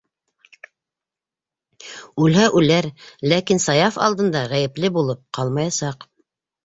Үлһә үләр, ләкин Саяф алдында ғәйепле булып ҡалмаясаҡ.